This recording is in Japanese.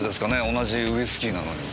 同じウイスキーなのに。